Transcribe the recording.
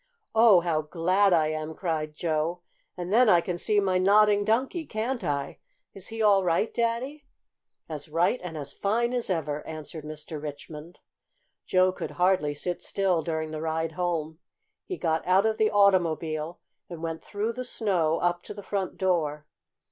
"Oh, how glad I am!" cried Joe. "And then I can see my Nodding Donkey, can't I? Is he all right, Daddy?" "As right and as fine as ever," answered Mr. Richmond. Joe could hardly sit still during the ride home. He got out of the automobile and went through the snow up to the front door.